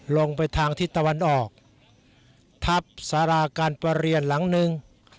ลงไปทางทิศตะวันออกทับสาราการประเรียนหลังหนึ่ง